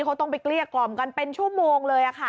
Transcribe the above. เขาต้องไปเกลี้ยกล่อมกันเป็นชั่วโมงเลยค่ะ